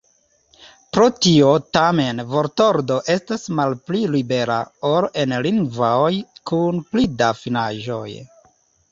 Pro tio, tamen, vortordo estas malpli libera, ol en lingvoj kun pli da finaĵoj.